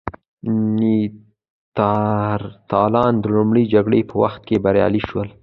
نیاندرتالان د لومړۍ جګړې په وخت کې بریالي شول.